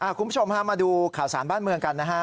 คุณผู้ชมฮะมาดูข่าวสารบ้านเมืองกันนะฮะ